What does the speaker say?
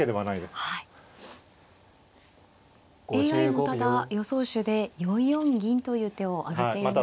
ＡＩもただ予想手で４四銀という手を挙げています。